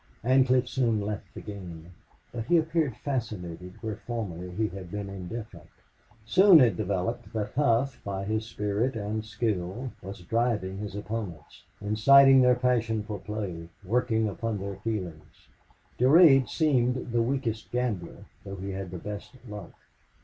Ancliffe soon left the game. But he appeared fascinated where formerly he had been indifferent. Soon it developed that Hough, by his spirit and skill, was driving his opponents, inciting their passion for play, working upon their feelings. Durade seemed the weakest gambler, though he had the best luck.